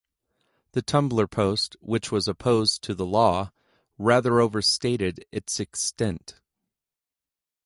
The Tumblr post, which was opposed to the law, rather overstated its extent.